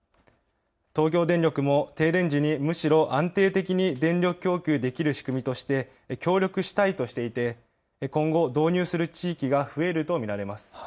東京電力も停電時にむしろ安定的に電力供給できる仕組みとして協力したいとしていて今後、導入する地域が増えると見られます。